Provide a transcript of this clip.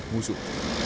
dan membuat musuh